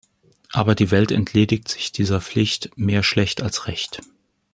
Aber die Welt entledigt sich dieser Pflicht mehr schlecht als recht.